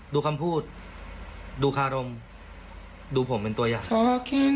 ดูคำพูดดูคารมดูผมเป็นตัวอย่าง